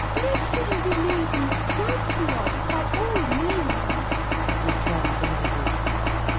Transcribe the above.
'Let him be made an example of, by all means,' returned the lady.